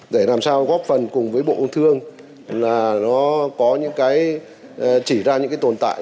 để làm sao góp phần cùng với bộ công thương là nó có những cái chỉ ra những cái tồn tại